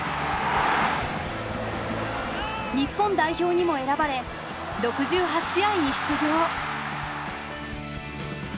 日本代表にも選ばれ６８試合に出場。